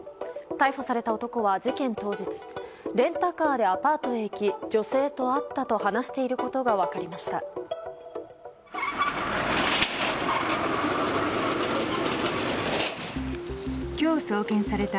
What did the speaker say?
逮捕された男は事件当日レンタカーでアパートへ行き女性と会ったと話していることが分かりました。